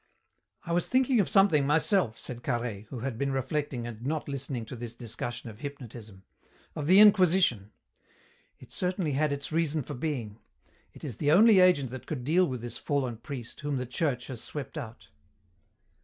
"I was thinking of something, myself," said Carhaix, who had been reflecting and not listening to this discussion of hypnotism. "Of the Inquisition. It certainly had its reason for being. It is the only agent that could deal with this fallen priest whom the Church has swept out."